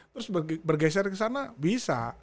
terus bergeser ke sana bisa